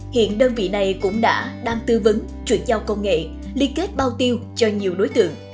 hiện đơn vị này cũng đã đang tư vấn chuyển giao công nghệ liên kết bao tiêu cho nhiều đối tượng